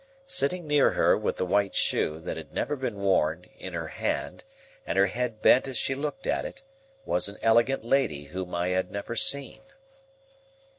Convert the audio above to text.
Sitting near her, with the white shoe, that had never been worn, in her hand, and her head bent as she looked at it, was an elegant lady whom I had never seen.